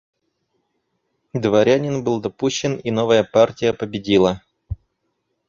Дворянин был допущен, и новая партия победила.